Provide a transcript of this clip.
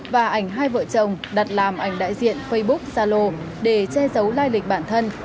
và ảnh hai vợ chồng đặt làm ảnh đại diện facebook zalo để che giấu lai lịch bản thân